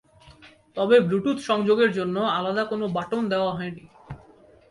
তবে ব্লুটুথ সংযোগ এর জন্য আলাদা কোন বাটন দেয়া হয়নি।